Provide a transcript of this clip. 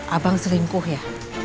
abang selingkuh ya